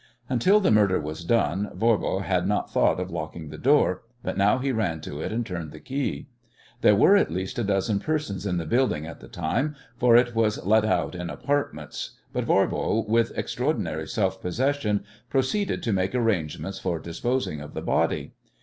Until the murder was done Voirbo had not thought of locking the door, but now he ran to it and turned the key. There were at least a dozen persons in the building at the time, for it was let out in apartments, but Voirbo, with extraordinary self possession, proceeded to make arrangements for disposing of the body.